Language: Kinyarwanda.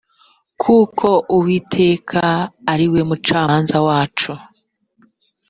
kuko uwiteka ari we mucamanza wacu